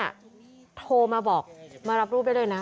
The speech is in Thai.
โทรมาบอกมารับรูปได้เลยนะ